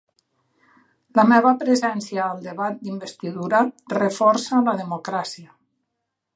La meva presència al debat d'investidura reforça la democràcia.